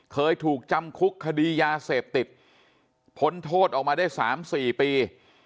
เคยถูกจำคุกคดียาเสพติดพ้นโทษออกมาได้๓๔ปี